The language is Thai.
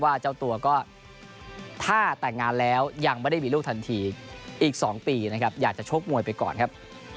เจ้าตัวก็ถ้าแต่งงานแล้วยังไม่ได้มีลูกทันทีอีก๒ปีนะครับอยากจะชกมวยไปก่อนครับ